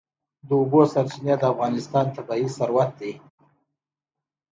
د اوبو سرچینې د افغانستان طبعي ثروت دی.